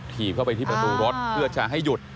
ถีบเข้าไปที่ประตูรถเพื่อจะให้หยุด